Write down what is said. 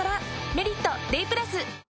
「メリットＤＡＹ＋」